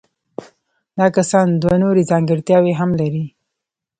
دا کسان دوه نورې ځانګړتیاوې هم لري.